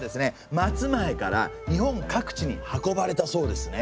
松前から日本各地に運ばれたそうですね。